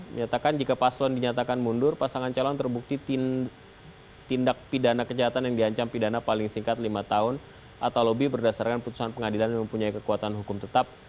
menyatakan jika paslon dinyatakan mundur pasangan calon terbukti tindak pidana kejahatan yang diancam pidana paling singkat lima tahun atau lebih berdasarkan putusan pengadilan yang mempunyai kekuatan hukum tetap